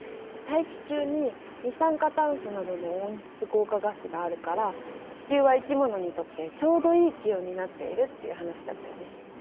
大気中に二酸化炭素などの温室効果ガスがあるから地球は生き物にとってちょうどいい気温になっているっていう話だったよね。